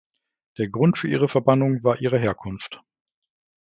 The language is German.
Der Grund für ihre Verbannung war ihre Herkunft.